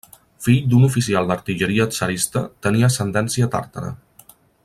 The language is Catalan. Fill d'un oficial d'artilleria tsarista, tenia ascendència tàrtara.